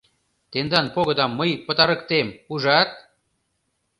Тендан погыдам мый пытарыктем, ужат?